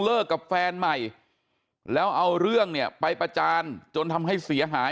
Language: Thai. กับแฟนใหม่แล้วเอาเรื่องเนี่ยไปประจานจนทำให้เสียหาย